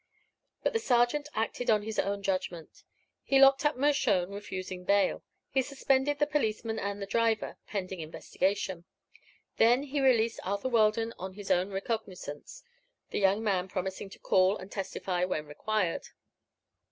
But the sergeant acted on his own judgment. He locked up Mershone, refusing bail. He suspended the policeman and the driver, pending investigation. Then he released Arthur Weldon on his own recognisance, the young man promising to call and testify when required.